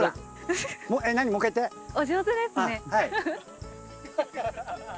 はい。